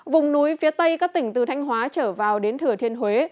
vùng núi phía tây các tỉnh từ thanh hóa trở vào đến thừa thiên huế